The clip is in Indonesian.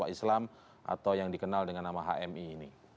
mahasiswa islam atau yang dikenal dengan nama hmi ini